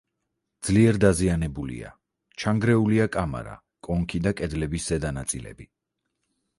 ძლიერ დაზიანებულია: ჩანგრეულია კამარა, კონქი და კედლების ზედა ნაწილები.